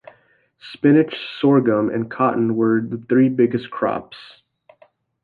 Spinach, sorghum, and cotton were the three biggest crops.